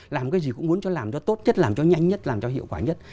làm cái gì cũng muốn cho làm cho tốt nhất làm cho nhanh nhất làm cho hiệu quả nhất